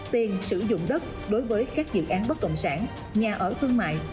tiền sử dụng đất đối với các dự án bất động sản nhà ở thương mại